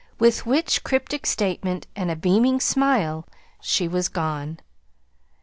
With which cryptic statement and a beaming smile, she was gone.